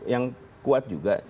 yang kuat juga